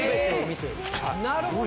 なるほど！